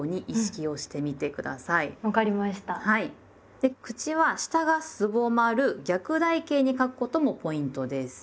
で口は下がすぼまる逆台形に書くこともポイントです。